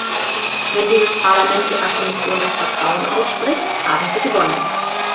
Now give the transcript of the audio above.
Wenn dieses Parlament Ihrer Kommission das Vertrauen ausspricht, haben Sie gewonnen.